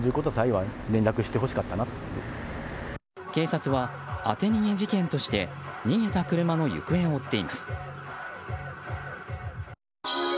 警察は当て逃げ事件として逃げた車の行方を追っています。